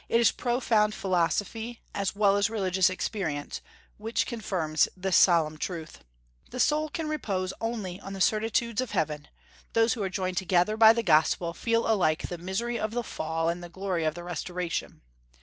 It is profound philosophy, as well as religious experience, which confirms this solemn truth. The soul can repose only on the certitudes of heaven; those who are joined together by the gospel feel alike the misery of the fall and the glory of the restoration.